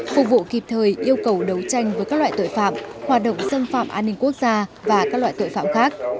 phục vụ kịp thời yêu cầu đấu tranh với các loại tội phạm hoạt động xâm phạm an ninh quốc gia và các loại tội phạm khác